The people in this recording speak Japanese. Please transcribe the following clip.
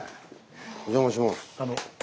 お邪魔します。